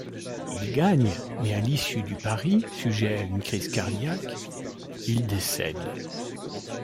Il gagne, mais, à l’issue du pari, sujet à une crise cardiaque, il décède.